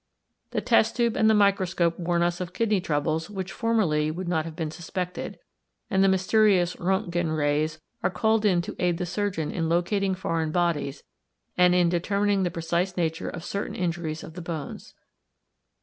The test tube and the microscope warn us of kidney troubles which formerly would not have been suspected, and the mysterious Röntgen rays are called in to aid the surgeon in locating foreign bodies and in determining the precise nature of certain injuries of the bones.